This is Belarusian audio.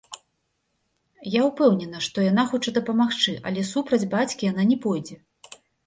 Я ўпэўнена, што яна хоча дапамагчы, але супраць бацькі яна не пойдзе.